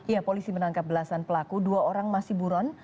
ya polisi menangkap belasan pelaku dua orang masih buron